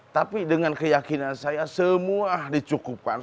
tapi dengan keyakinan saya semua dicukupkan